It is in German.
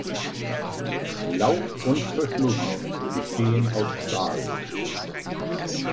Lauf und Verschluss bestehen aus Stahl.